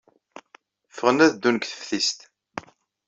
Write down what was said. Ffɣen ad ddun deg teftist.